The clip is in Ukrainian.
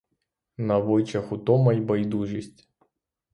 На обличчях утома й байдужість.